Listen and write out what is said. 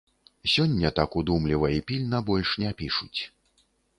Сёння так удумліва і пільна больш не пішуць.